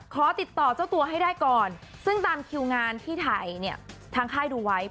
ขอติดต่อเจ้าตัวให้ได้ก่อนซึ่งตามคิวงานที่ถ่ายเนี่ยทางค่ายดูไว้